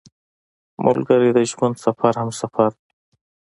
ملګری د ژوند سفر همسفر وي